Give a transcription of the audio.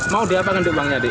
mau deh apa kan doangnya adik